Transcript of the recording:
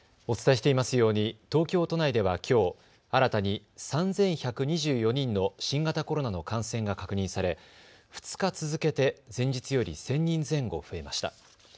お伝えしていますように東京都内ではきょう、新たに３１２４人の新型コロナの感染が確認され２日続けて前日より１０００人前後増えました。